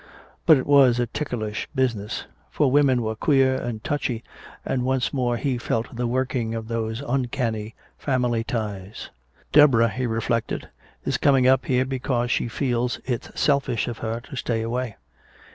But it was a ticklish business. For women were queer and touchy, and once more he felt the working of those uncanny family ties. "Deborah," he reflected, "is coming up here because she feels it's selfish of her to stay away.